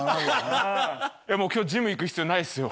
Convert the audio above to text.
今日ジム行く必要ないっすよ。